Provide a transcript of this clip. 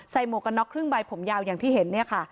หมวกกันน็อกครึ่งใบผมยาวอย่างที่เห็นเนี่ยค่ะ